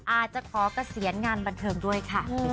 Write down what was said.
อาจจะขอเกษียณงานบันเทิงด้วยค่ะ